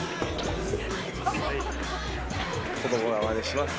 子どもがまねします。